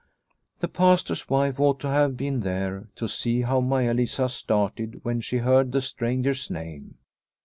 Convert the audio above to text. The Pastor's wife ought to have been there to see how Maia Lisa started when she heard the stranger's name.